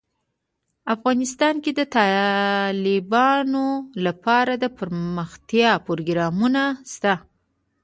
افغانستان کې د تالابونه لپاره دپرمختیا پروګرامونه شته.